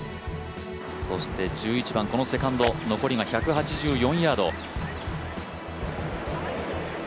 そして１１番、このセカンド残りが１６４ヤード。